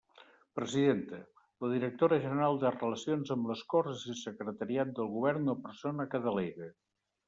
Presidenta: la directora general de Relacions amb les Corts i Secretariat del Govern o persona que delegue.